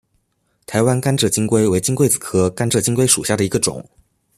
台湾甘蔗金龟为金龟子科甘蔗金龟属下的一个种。